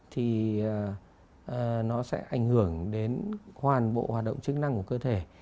thì nó sẽ ảnh hưởng đến toàn bộ hoạt động chức năng của cơ thể